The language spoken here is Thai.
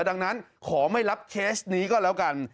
ดังนั้นขอไม่รับเคสนี้ก็แล้วกัน